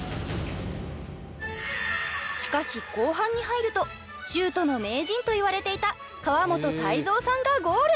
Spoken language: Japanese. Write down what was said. しかし後半に入るとシュートの名人といわれていた川本泰三さんがゴール。